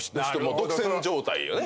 独占状態よね。